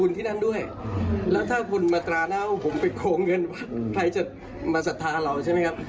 แล้วก็มันมีผลต่อบุคคลที่ทำความดีแล้ว